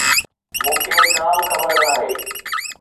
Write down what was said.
مون کي ڪا به خبر ناهي.